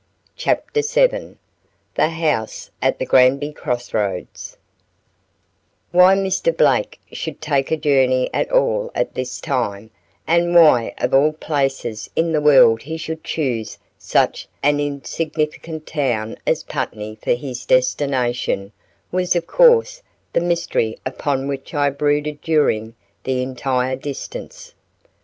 CHAPTER VII. THE HOUSE AT THE GRANBY CROSS ROADS Why Mr. Blake should take a journey at all at this time, and why of all places in the world he should choose such an insignificant town as Putney for his destination, was of course the mystery upon which I brooded during the entire distance.